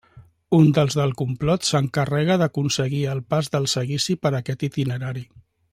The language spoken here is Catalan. Un dels del complot s'encarrega d'aconseguir el pas del seguici per aquest itinerari.